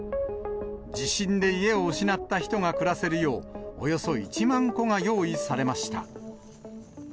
地震で家を失った人が暮らせるよう、およそ１万個が用意されました。